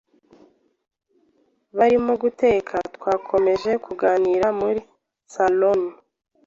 Barimo guteka twakomeje kuganira muri salon